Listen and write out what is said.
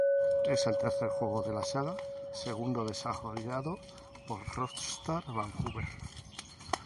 Es el tercer juego de la saga, segundo desarrollado por Rockstar Vancouver.